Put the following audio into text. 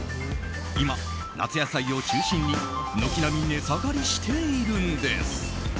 今、夏野菜を中心に軒並み値下がりしているんです。